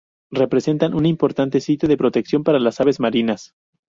Representan un importante sitio de protección para las aves marinas.